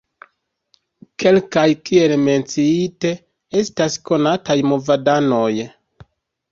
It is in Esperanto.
Kelkaj, kiel menciite, estas konataj movadanoj.